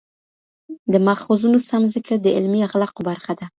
د ماخذونو سم ذکر د علمي اخلاقو برخه ده.